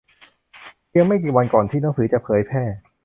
เพียงไม่กี่วันก่อนที่หนังสือจะเผยแพร่